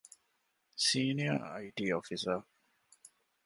ސީނިއަރ އައި.ޓީ އޮފިސަރ